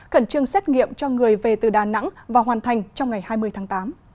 khẩn trương xét nghiệm cho người về từ đà nẵng và hoàn thành trong ngày hai mươi tháng tám